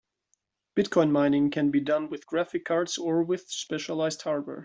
Bitcoin mining can be done with graphic cards or with specialized hardware.